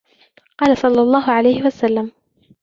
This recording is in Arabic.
قَالَ صَلَّى اللَّهُ عَلَيْهِ وَسَلَّمَ